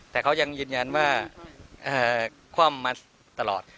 แต่เขายังยืนยันว่าคว่ำมาตลอด